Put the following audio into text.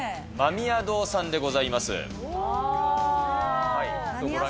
間宮堂さんでございます。